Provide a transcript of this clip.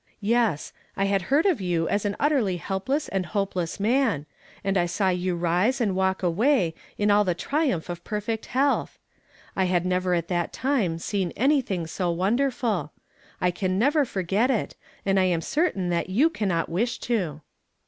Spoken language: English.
Yes ; I had heard of you as an utterly helpless and hopeless man ; and I saw you rise iind walk away in all the triunq)h of perfect health. I had never at that time seen anything so wonder ful ; I can never forget it, and [ am certain that you cannot wish to."